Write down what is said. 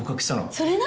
それな！